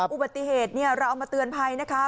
อุบัติเหตุเราเอามาเตือนภัยนะคะ